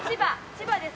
千葉です。